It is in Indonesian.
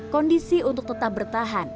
kondisi untuk tetap bertahan